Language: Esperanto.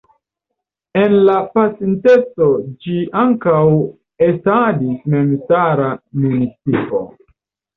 En la pasinteco ĝi ankaŭ estadis memstara municipo.